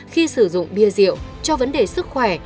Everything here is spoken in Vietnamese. khi sử dụng bia rượu cho vấn đề sức khỏe